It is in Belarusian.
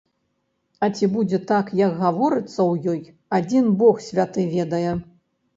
А ці будзе так, як гаворыцца ў ёй, адзін бог святы ведае.